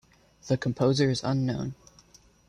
The composer is unknown.